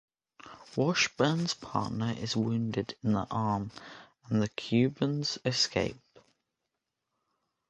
Washburn's partner is wounded in the arm and the Cubans escape.